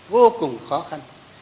vô cùng khó khăn